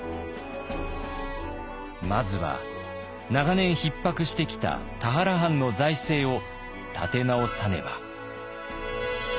まずは長年ひっ迫してきた田原藩の財政を立て直さねば。